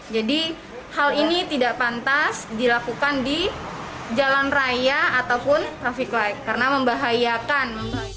jadi hal ini tidak pantas dilakukan di jalan raya ataupun traffic light karena membahayakan